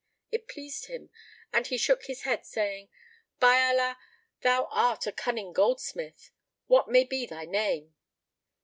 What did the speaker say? It pleased him and he shook his head, saying, "By Allah, thou art a cunning goldsmith! What may be thy name?"